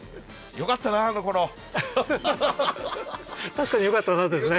確かに「よかったな」ですね。